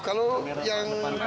kalau yang benar